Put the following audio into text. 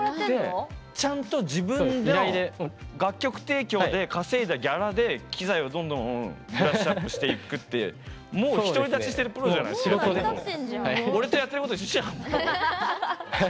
ちゃんと自分の楽曲提供で稼いだギャラで機材をどんどんブラッシュアップしていくってもう独り立ちしてるプロ俺とやってること一緒じゃん。